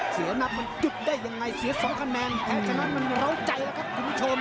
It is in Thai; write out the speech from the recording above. เสียนับมันหยุดได้ยังไงเสียสองคะแนนเพราะฉะนั้นมันเล้าใจแล้วครับคุณผู้ชม